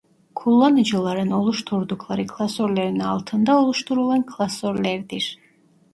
Kullanıcıların oluşturdukları klasörlerin altında oluşturulan klasörlerdir.